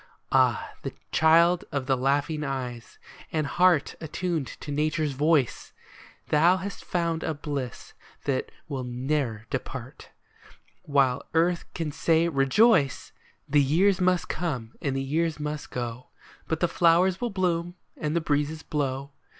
Ah, child of the laughing eyes, and heart Attuned to Nature's voice ! Thou hast found a bliss that will ne'er depart While earth can say, " Rejoice !" The years must come, and the years must go ; But the flowers will bloom, and the breezes blow.